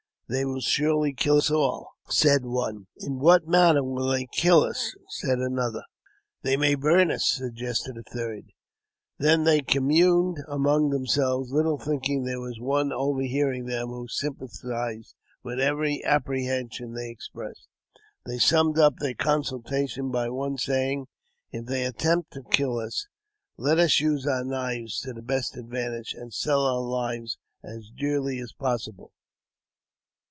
*' They will surely kill us all," said one. " In what manner will they kill us ?" asked another. " They may burn us," suggested a third. Then they communed among themselves, little thinking there was one overhearing them who sympathized with every apprehension they expressed. They summed up their consultation by one saying, " If they attempt to kill us, let us use our knives to the best advantage^ and sell our lives as dearly as possible.''